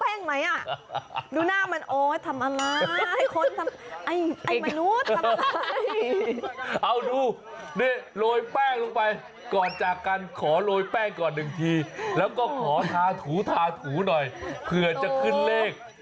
เอาดูนี่โรยแป้งลงไปก่อนจากการขอโรยแป้งก่อนหนึ่งทีแล้วก็ขอทาถูทาถูหน่อยเผื่อจะขึ้นเลข